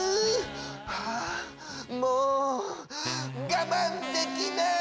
はぁもうがまんできない！